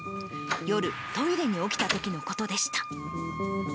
夜、トイレに起きたときのことでした。